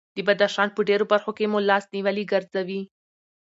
د بدخشان په ډېرو برخو کې مو لاس نیولي ګرځوي.